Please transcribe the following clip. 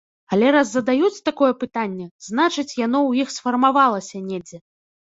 Але раз задаюць такое пытанне, значыць, яно ў іх сфармавалася недзе.